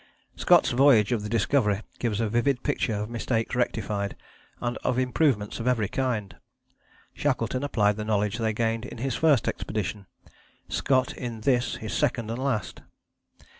Scott's Voyage of the Discovery gives a vivid picture of mistakes rectified, and of improvements of every kind. Shackleton applied the knowledge they gained in his first expedition, Scott in this, his second and last.